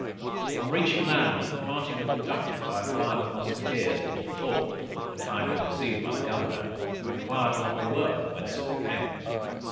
On reaching land, the party was conducted by a file of musqueteers into the fort, and kindly received by the governor, who enquired what they were, and whence they came?